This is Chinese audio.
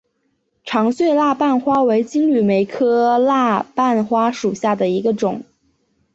长穗蜡瓣花为金缕梅科蜡瓣花属下的一个种。